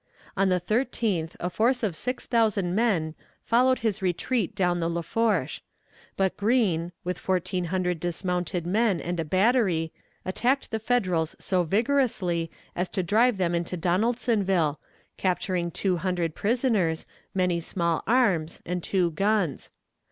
On the 13th a force of six thousand men followed his retreat down the Lafourche; but Green, with fourteen hundred dismounted men and a battery, attacked the Federals so vigorously as to drive them into Donaldsonville, capturing two hundred prisoners, many small arms, and two guns.